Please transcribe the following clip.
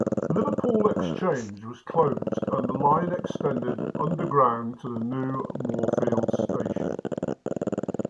Liverpool Exchange was closed and the line extended underground to the new Moorfields station.